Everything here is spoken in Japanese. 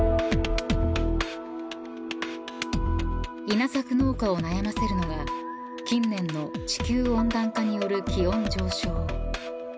［稲作農家を悩ませるのが近年の地球温暖化による気温上昇］